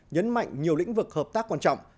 nhấn mạnh nhiều lĩnh vực hợp tác quan trọng